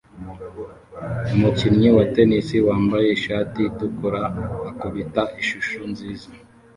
Umukinnyi wa tennis wambaye ishati itukura akubita ishusho nziza